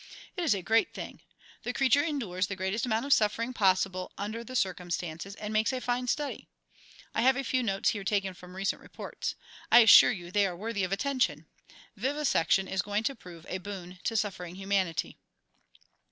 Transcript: It is a great thing. The creature endures the greatest amount of suffering possible under the circumstances, and makes a fine study. I have a few notes here taken from recent reports. I assure you they are worthy of attention. Vivisection is going to prove a boon to suffering humanity."